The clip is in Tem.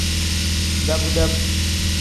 Dab-dab.